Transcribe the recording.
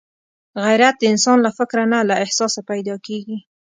غیرت د انسان له فکره نه، له احساسه پیدا کېږي